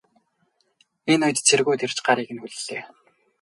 Энэ үед цэргүүд нь ирж гарыг нь хүллээ.